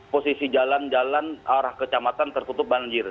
posisi jalan jalan arah kecamatan tertutup banjir